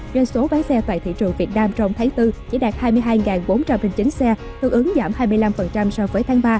doanh số bán xe tại thị trường việt nam trong tháng bốn chỉ đạt hai mươi hai bốn trăm linh chín xe tương ứng giảm hai mươi năm so với tháng ba